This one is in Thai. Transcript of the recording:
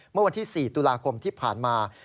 เมื่อวันที่๔ตุลาคมที่ผ่านมา